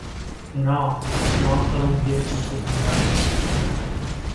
In all, Longfellow's gift included nine acres of land.